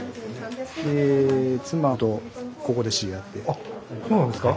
あっそうなんですか。